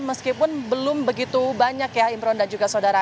meskipun belum begitu banyak ya imron dan juga saudara